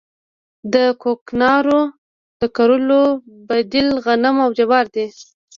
د کوکنارو د کرلو بدیل غنم او جوار دي